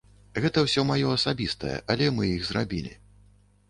Гэта ўсё маё асабістае, але мы іх зрабілі.